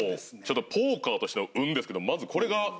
ポーカーとしての運ですけどまずこれがもう。